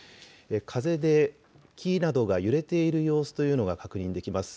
風で木などが揺れている様子というのが確認できます。